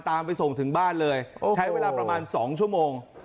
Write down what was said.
ไปส่งถึงบ้านเลยใช้เวลาประมาณ๒ชั่วโมง